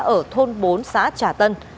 ở thôn bốn xã trà tân